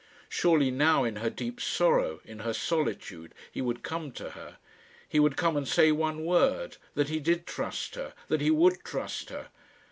Surely now, in her deep sorrow, in her solitude, he would come to her. He would come and say one word that he did trust her, that he would trust her!